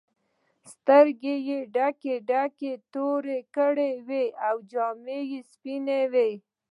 سترګې یې ډکې ډکې تورې کړې وې او جامې یې سپینې وې.